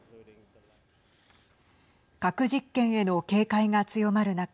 核実験への警戒が強まる中